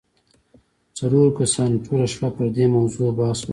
څلورو کسانو ټوله شپه پر دې موضوع بحث وکړ